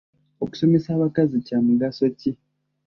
Okusomesa abakazi kya mugaso ki?